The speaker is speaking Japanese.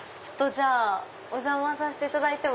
お邪魔させていただいても？